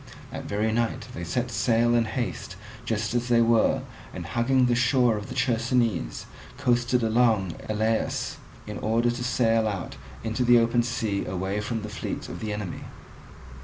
That very night they set sail in haste just as they were, and, hugging the shore of the Chersonese, coasted along to Elaeus, in order to sail out into the open sea away from the fleet of the enemy.